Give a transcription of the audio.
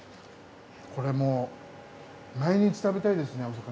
これもう毎日食べたいですねお魚。